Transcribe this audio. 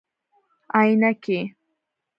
👓 عینکي